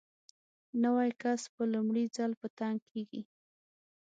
نوی کس په لومړي ځل په تنګ کېږي.